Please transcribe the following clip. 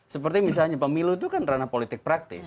seperti misalnya pemilu itu kan ranah politik praktis